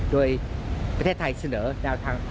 โดยประเทศไทยเสนอแนวทาง